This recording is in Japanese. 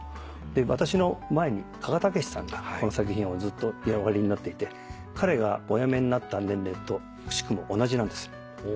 私の前に鹿賀丈史さんがこの作品をずっとおやりになっていて彼がおやめになった年齢とくしくも同じなんです。